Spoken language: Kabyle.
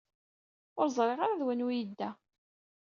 Ur ẓṛiɣ ara d wanwa i yedda.